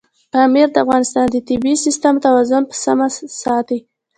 پامیر د افغانستان د طبعي سیسټم توازن په سمه ساتي.